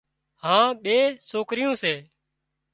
هانَ ٻي سوڪريون سي۔